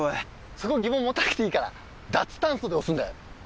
そこ疑問持たなくていいから「ダツタンソ」で押すんだよ。